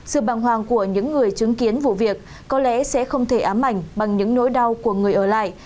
sự bằng hoàng của những người chứng kiến vụ việc có lẽ sẽ không thể ám ảnh bằng những nỗi đau của người ở lại